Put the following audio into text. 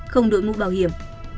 không đổi mũ bảo hiểm